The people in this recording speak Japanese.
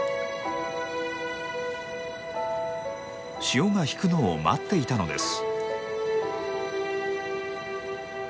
潮が引くのを待っていたのです。